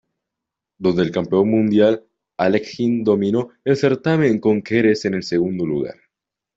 Donde el Campeón Mundial Alekhine dominó el certamen con Keres en el segundo lugar.